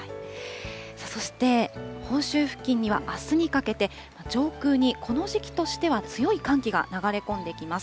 そして、本州付近にはあすにかけて、上空にこの時期としては強い寒気が流れ込んできます。